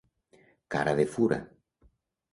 Cara de fura.